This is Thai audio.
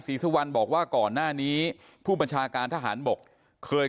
ศรีสุวรรณบอกว่าก่อนหน้านี้ผู้บัญชาการทหารบกเคย